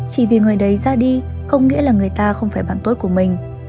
chỉ vì người đấy ra đi không nghĩa là người ta không phải bạn tốt của mình